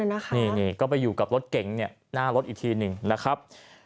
นี่ก็ไปอยู่กับรถเก๋งเนี่ยหน้ารถอีกที๑นะครับ